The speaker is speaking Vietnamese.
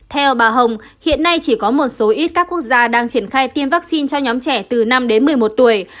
theo bà hồng hiện nay chỉ có một số ít các quốc gia đang triển khai tiêm vaccine cho nhóm trẻ từ năm đến một mươi một tuổi